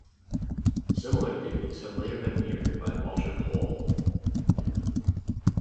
Similar theories have later been mirrored by Walter Pohl.